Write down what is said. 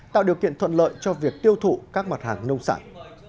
tạo điều kiện thuận lợi cho việc tiêu thụ các mặt hàng nông sản